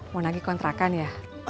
mau nagi kontrakan ya